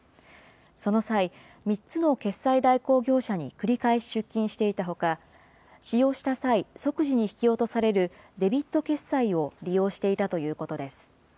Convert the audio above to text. その際、３つの決済代行業者に繰り返し出金していたほか、使用した際、即時に引き落とされる、デビット決済を利用していたということです。